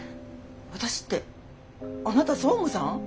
「私」ってあなた総務さん？